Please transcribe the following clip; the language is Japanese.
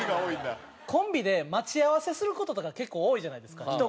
コンビで待ち合わせする事とか結構多いじゃないですか人混みで。